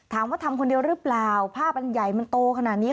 ทำคนเดียวหรือเปล่าภาพมันใหญ่มันโตขนาดนี้